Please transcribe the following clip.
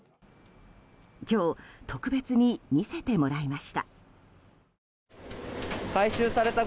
今日、特別に見せてもらいました。